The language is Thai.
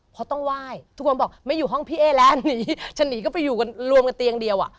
เพราะต้องไหว้ทุกคนบอกไม่อยู่ห้องพี่เอ๊แล้วหนีฉันหนีก็ไปอยู่กันรวมกันเตียงเดียวอ่ะ